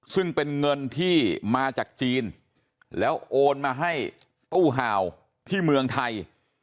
ซึ่งเป็นเงินที่มาจากจีนแล้วโอนมาให้ตู้ห่าวที่เมืองไทย